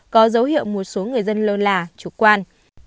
có dấu hiệu một số người dân lâu lạ trục quan